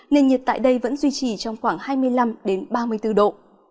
nền nhiệt tại đây vẫn duy trì trong khoảng hai mươi năm ba mươi bốn độ